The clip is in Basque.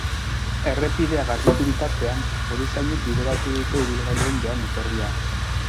Errepidea garbitu bitartean, foruzainek bideratu dute ibilgailuen joan-etorria.